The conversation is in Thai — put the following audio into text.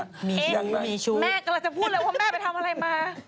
ยังไม่มีชู้แม่กำลังจะพูดเลยว่าแม่ไปทำอะไรมา